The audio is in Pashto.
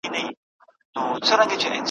چي د کورنۍ هيڅ غړي ئې